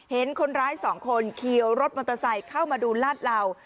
เห็นคนร้ายสองคนขี่รถมอเตอร์ไซค์เข้ามาดูลาดเหล่า